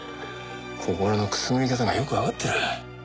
心のくすぐり方がよくわかってる。